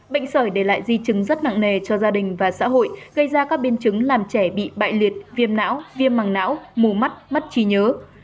bệnh sởi để lại di chứng rất nặng nề cho gia đình và xã hội gây ra các biến chứng làm trẻ bị bại liệt viêm não viêm mảng não mù mắt mất trí nhớ